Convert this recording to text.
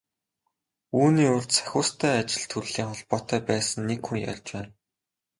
Үүний урьд Сахиустай ажил төрлийн холбоотой байсан нэг хүн ярьж байна.